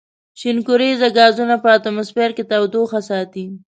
شینکوریزه غازونه په اتموسفیر کې تودوخه ساتي.